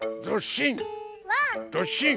どっしん！